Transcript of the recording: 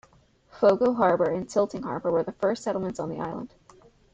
Fogo Harbour and Tilting Harbour were the first settlements on the island.